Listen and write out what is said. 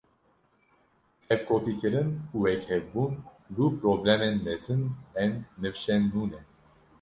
Hevkopîkirin û wekhevbûn du problemên mezin ên nivşên nû ne.